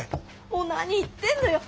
もう何言ってんのよ。